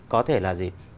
có thể là gì